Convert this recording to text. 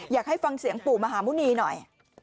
อยากให้ฟังเสียงปู่มหาหมุณีหน่อย